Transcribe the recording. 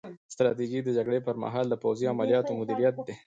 ستراتیژي د جګړې پر مهال د پوځي عملیاتو مدیریت دی